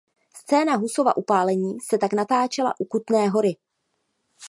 Scéna Husova upálení se tak natáčela u Kutné Hory.